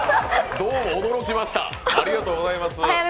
どうも驚きました！